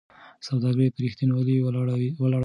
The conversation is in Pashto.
سوداګري په رښتینولۍ ولاړه ده.